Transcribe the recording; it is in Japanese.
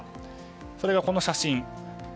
それが、この写真。